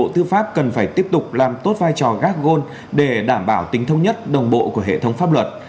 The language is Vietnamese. tư pháp cần phải tiếp tục làm tốt vai trò gác gôn để đảm bảo tính thông nhất đồng bộ của hệ thống pháp luật